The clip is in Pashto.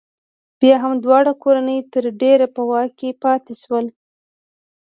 بیا هم دواړه کورنۍ تر ډېره په واک کې پاتې شوې.